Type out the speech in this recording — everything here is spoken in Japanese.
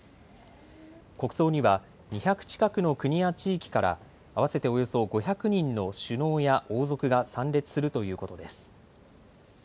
国葬には２００近くの国や地域から合わせておよそ５００人の首脳や王族が参列するということです。